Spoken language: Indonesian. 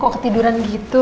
kok ketiduran gitu